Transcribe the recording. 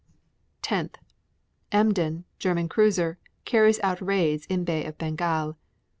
10. Emden, German cruiser, carries out raids in Bay of Bengal.